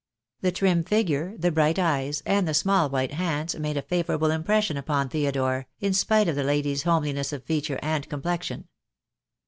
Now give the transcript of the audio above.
The trim figure, the bright eyes, and the small white hands made a favourable impression upon Theodore, in spite of the lady's homeliness of feature and complexion.